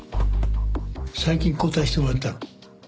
最近交代してもらったの。